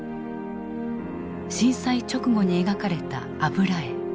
震災直後に描かれた油絵。